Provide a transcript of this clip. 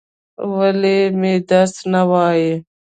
ولې مې درس نه وایل؟